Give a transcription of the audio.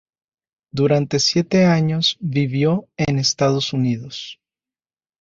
Durante siete años, vivió en Estados Unidos.